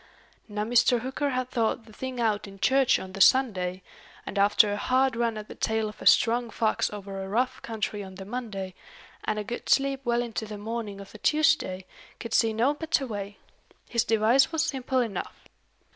Now Mr. Hooker had thought the thing out in church on the Sunday; and after a hard run at the tail of a strong fox over a rough country on the Monday, and a good sleep well into the morning of the Tuesday, could see no better way. His device was simple enough.